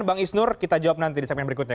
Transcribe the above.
bang isnur kita jawab nanti di segmen berikutnya